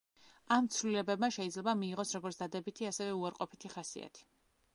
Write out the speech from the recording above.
ამ ცვლილებებმა შეიძლება მიიღოს როგორც დადებითი, ასევე უარყოფითი ხასიათი.